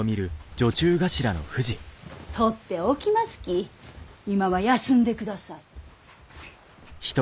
取っておきますき今は休んでください。